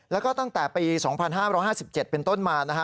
แล้วก็ตั้งแต่ปี๒๕๕๗เป็นต้นมานะฮะ